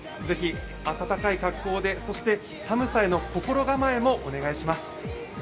ぜひ温かい格好で、そして寒さへの心構えもお願いします。